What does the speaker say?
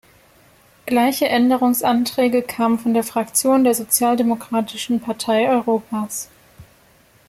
Gleiche Änderungsanträge kamen von der Fraktion der Sozialdemokratischen Partei Europas.